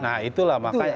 nah itulah makanya